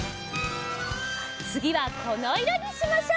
つぎはこのいろにしましょう。